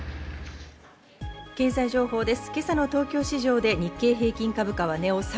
経済情報です。